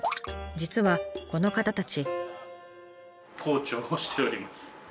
実はこの方たち。